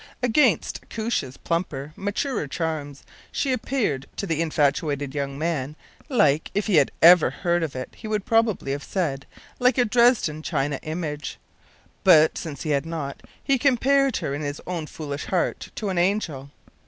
Against Koosje’s plumper, maturer charms, she appeared to the infatuated young man like if he had ever heard of it he would probably have said like a Dresden china image; but since he had not, he compared her in his own foolish heart to an angel.